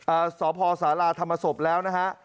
สพสาราธรรมศพแล้วนะฮะ